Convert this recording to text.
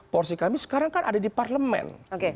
porsi kami sekarang kan ada di parlemen